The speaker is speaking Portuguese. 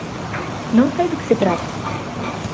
Não sei do que se trata.